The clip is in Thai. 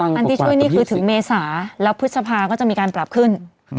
อันที่ช่วยนี่คือถึงเมษาแล้วพฤษภาก็จะมีการปรับขึ้น